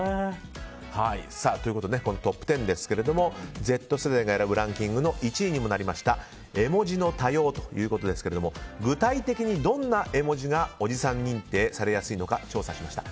トップ１０ですがＺ世代が選ぶランキングの１位にもなりました絵文字の多用ということですが具体的にどんな絵文字がおじさん認定されやすいのか調査しました。